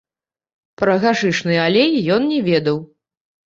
Пра гашышны алей ён не ведаў.